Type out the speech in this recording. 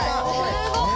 すごい！